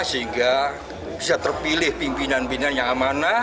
sehingga bisa terpilih pimpinan pimpinan yang amanah